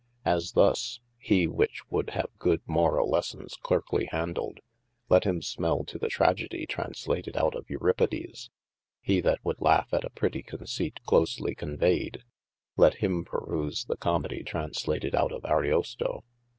As thus, he which wold have good morall lessons clerkly handled, let him smell to the Tragedie translated out of Euripides. He that wold laugh at a prety conceit closely conveyed, let him peruse the comedie translated out of Ariosto.